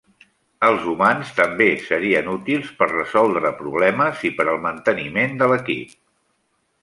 Els humans també serien útils per resoldre problemes i per al manteniment de l'equip.